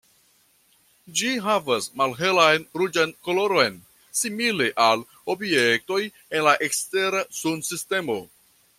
Ĝi havas malhelan ruĝan koloron, simile al objektoj en la ekstera Sunsistemo.